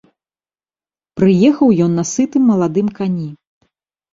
Прыехаў ён на сытым маладым кані.